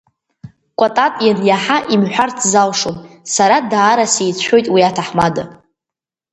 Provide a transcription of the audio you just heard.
Кәатат ианиаҳа имҳәарц залшом, сара даара сицәшәоит уи аҭаҳмада.